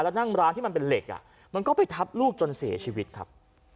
แล้วนั่งร้านที่มันเป็นเหล็กอ่ะมันก็ไปทับลูกจนเสียชีวิตครับ